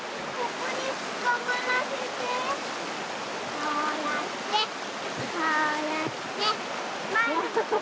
こうやってこうやってわあ。